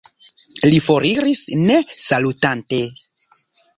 Li foriris, ne salutante.